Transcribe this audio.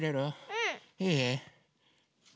うん。いい？